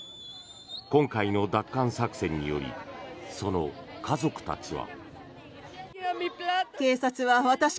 今回の奪還作戦によりその家族たちは。